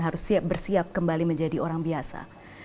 harus bersiap kembali menjadi orang biasa